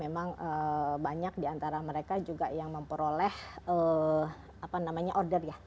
memang banyak diantara mereka juga yang memperoleh order ya